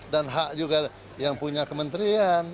dan hak juga yang punya kementerian